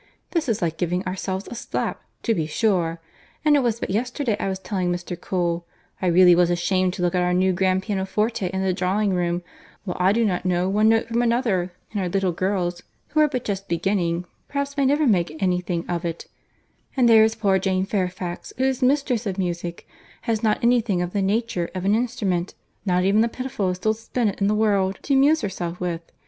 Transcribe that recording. This is like giving ourselves a slap, to be sure! and it was but yesterday I was telling Mr. Cole, I really was ashamed to look at our new grand pianoforte in the drawing room, while I do not know one note from another, and our little girls, who are but just beginning, perhaps may never make any thing of it; and there is poor Jane Fairfax, who is mistress of music, has not any thing of the nature of an instrument, not even the pitifullest old spinet in the world, to amuse herself with.